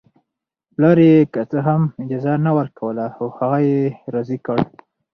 پلار یې که څه هم اجازه نه ورکوله خو هغه یې راضي کړ